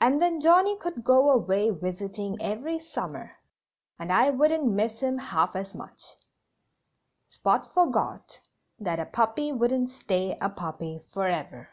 And then Johnnie could go away visiting every summer and I wouldn't miss him half as much." Spot forgot that a puppy wouldn't stay a puppy forever.